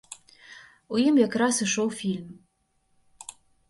У ім якраз ішоў фільм.